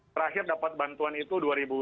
percaya dapat bantuan itu dua ribu tujuh belas